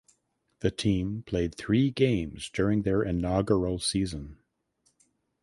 The team played three games during their inaugural season.